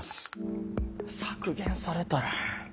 削減されたら。